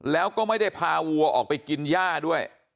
แล้วก็ไม่ได้พาวัวออกไปกินย่าด้วย